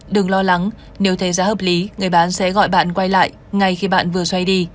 đừng lo lắng nếu thấy giá hợp lý người bán sẽ gọi bạn quay lại ngay khi bạn vừa xoay đi